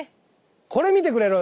これ見てくれる？